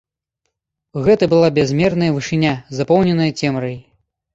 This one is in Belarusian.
Гэта была бязмерная вышыня, запоўненая цемрай.